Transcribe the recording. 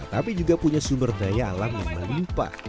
tapi juga punya sumber daya alam yang melimpah